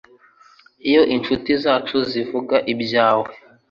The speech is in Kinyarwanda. Iyo inshuti zacu zivuga ibyawe